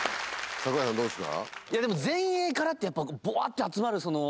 門脇さんどうですか？